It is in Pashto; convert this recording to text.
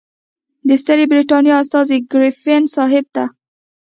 د ستري برټانیې استازي ګریفین صاحب ته.